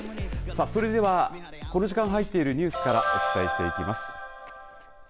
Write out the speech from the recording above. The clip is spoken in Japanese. それではこの時間入っているニュースからお伝えしていきます。